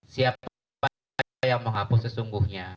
siapa yang menghapus sesungguhnya